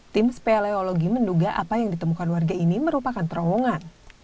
tim speleologi menduga apa yang ditemukan warga ini merupakan terowongan